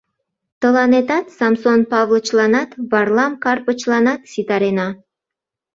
Тыланетат, Самсон Павлычланат, Варлам Карпычланат ситарена.